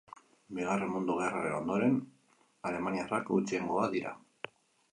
Bigarren Mundu Gerraren ondoren alemaniarrak gutxiengoa dira.